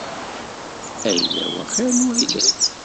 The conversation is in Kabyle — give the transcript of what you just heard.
Ayla-w axir n wayla-k.